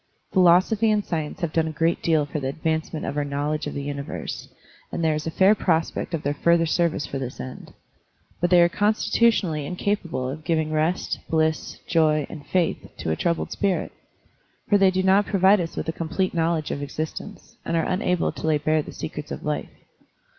Philosophy and science have done a great deal for the advancement of our knowledge of the universe, and there is a fair prospect of their further service for this end. But they are con stitutionally incapable of giving rest, bliss, joy, and faith to a troubled spirit; for they do not provide us with a complete knowledge of exist ence, and are unable to lay bare the secrets of life.